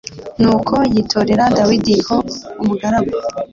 Nuko yitorera Dawudi ho umugaragu